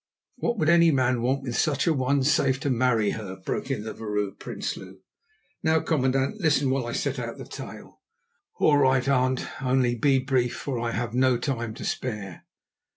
"What would any man want with such a one, save to marry her?" broke in the Vrouw Prinsloo. "Now, commandant, listen while I set out the tale." "All right, aunt, only be brief, for I have no time to spare."